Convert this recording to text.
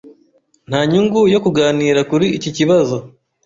Nta nyungu yo kuganira kuri iki kibazo.